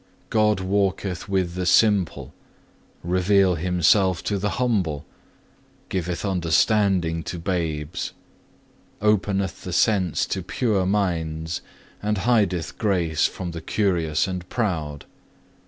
God walketh with the simple, revealeth Himself to the humble, giveth understanding to babes, openeth the sense to pure minds, and hideth grace from the curious and proud.